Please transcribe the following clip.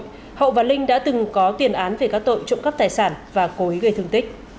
linh và hậu đã từng có tiền án về các tội trộm cắp tài sản và cố ý gây thương tích